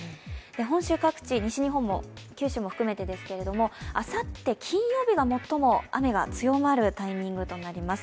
本州各地西日本も九州も含めてですけど、あさって金曜日が最も雨が強まるタイミングとなります。